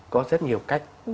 có rất nhiều cách